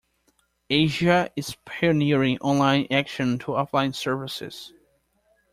Asia is pioneering online action to offline services.